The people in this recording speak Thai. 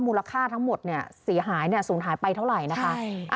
มูลค่าทั้งหมดเนี่ยเสียหายศูนย์หายไปเท่าไหร่นะคะ